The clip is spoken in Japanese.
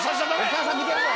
お母さん見てるぞ！